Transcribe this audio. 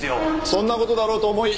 そんな事だろうと思い